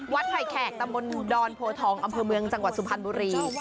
ไผ่แขกตำบลดอนโพทองอำเภอเมืองจังหวัดสุพรรณบุรี